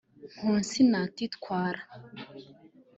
Nkosinati Twala